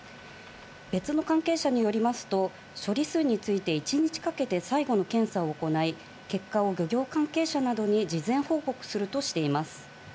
別の関係者によりますと、処理水について、一日かけて最後の検査を行い、結果を漁業関係者などに事前報告するとしています。